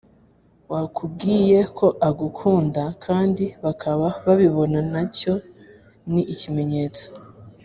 wakubwiye ko agukunda kandi bakaba babibona nacyo ni ikimenyetso.